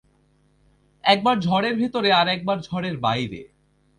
একবার ঝড়ের ভিতরে আর একবার ঝড়ের বাইরে।